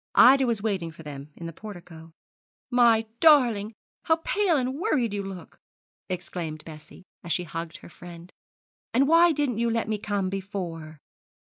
Ida was waiting for them in the portico. 'You darling, how pale and worried you look!' exclaimed Bessie, as she hugged her friend; 'and why didn't you let me come before?'